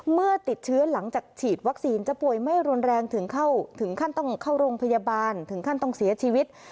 เมื่อติดเชื้อหลังจากฉีดวัคซีนจะป่วยไม่รุนแรงถึงขั้นต้องเข้าโรงพยาบาลถึงขั้นต้องเสียชีวิต